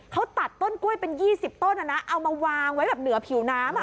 เขาตัดต้นกล้วยเป็น๒๐ต้นว่างไว้เหนือผิวน้ำ